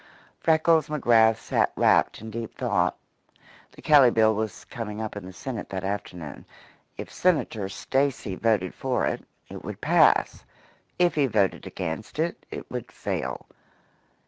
Freckles McGrath sat wrapped in deep thought. The Kelley Bill was coming up in the Senate that afternoon. If Senator Stacy voted for it, it would pass. If he voted against it, it would fail.